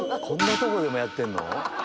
こんなとこでもやってんの。